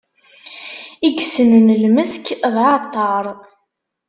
I yessnen lmesk, d aɛeṭṭaṛ.